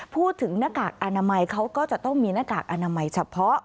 พูดถึงหน้ากากอนามัยเขาก็จะต้องมีหน้ากากอนามัยเฉพาะ